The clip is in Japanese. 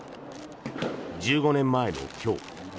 １５年前の今日